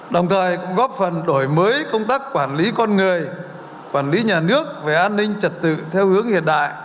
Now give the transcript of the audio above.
đồng thời cũng góp phần đổi mới công tác quản lý con người quản lý nhà nước về an ninh trật tự theo hướng hiện đại